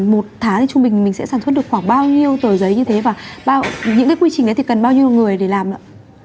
một tháng thì mình sẽ sản xuất được khoảng bao nhiêu tờ giấy như thế và những quy trình đấy thì cần bao nhiêu người để làm ạ